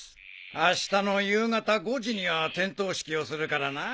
あしたの夕方５時には点灯式をするからな。